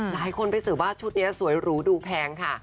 หลายคนไปสืบว่าชุดนี้สวยหรูดูแพงค่ะ